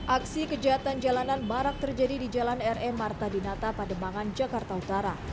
aksi kejahatan jalanan barak terjadi di jalan r e marta dinata pada mangan jakarta utara